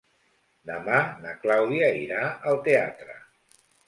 Demà na Clàudia irà al teatre.